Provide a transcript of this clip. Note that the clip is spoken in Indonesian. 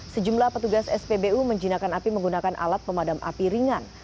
sejumlah petugas spbu menjinakkan api menggunakan alat pemadam api ringan